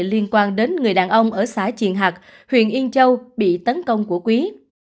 liên quan đến người đàn ông ở xã triền hạc huyện yên châu bị tấn công của quý